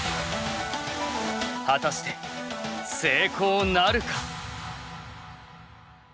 果たして成功なるか。